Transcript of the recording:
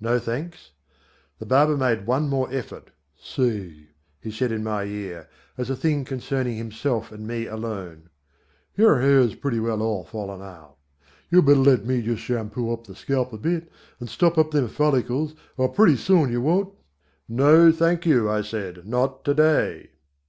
"No thanks." The barber made one more effort. "Say," he said in my ear, as a thing concerning himself and me alone, "your hair's pretty well all falling out. You'd better let me just shampoo up the scalp a bit and stop up them follicles or pretty soon you won't " "No, thank you," I said, "not to day."